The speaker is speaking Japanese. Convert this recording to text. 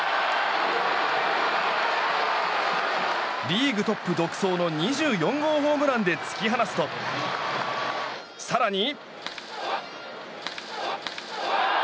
リーグトップ独走の２４号ホームランで突き放すと更に。